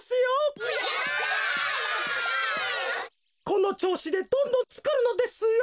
このちょうしでどんどんつくるのですよ。